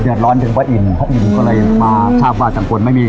เหยาะร้อนถึงพระอินทร์เพราะอินทร์ก็เลยมาชาวบ้านจังกวล